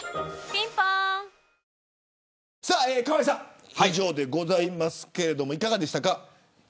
ピンポーン河井さん、以上でございますけどいかがでしたか。